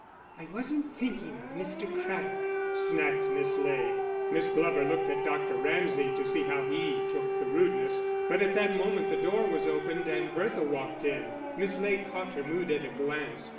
"I wasn't thinking of Mr. Craddock," snapped Miss Ley. Miss Glover looked at Dr. Ramsay to see how he took the rudeness; but at that moment the door was opened and Bertha walked in. Miss Ley caught her mood at a glance.